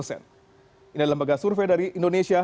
ini lembaga survei dari indonesia